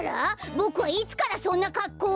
ボクはいつからそんなかっこうを！？